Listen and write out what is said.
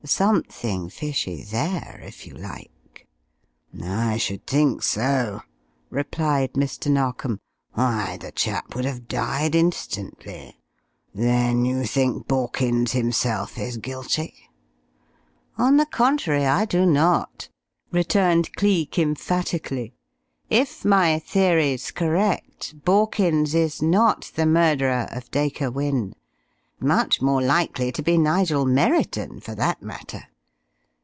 Something 'fishy' there, if you like." "I should think so," replied Mr. Narkom. "Why, the chap would have died instantly. Then you think Borkins himself is guilty?" "On the contrary, I do not," returned Cleek, emphatically. "If my theory's correct, Borkins is not the murderer of Dacre Wynne. Much more likely to be Nigel Merriton, for that matter.